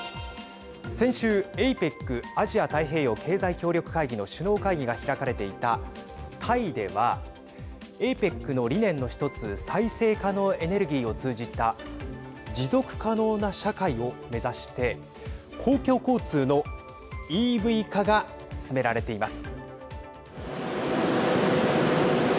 先週ＡＰＥＣ＝アジア太平洋経済協力会議の首脳会議が開かれていたタイではＡＰＥＣの理念の一つ再生可能エネルギーを通じた持続可能な社会を目指して公共交通のＥＶ化が進められています。